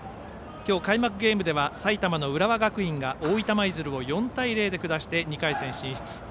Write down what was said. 今日、開幕ゲームでは埼玉の浦和学院が大分舞鶴を４対０で下して２回戦進出。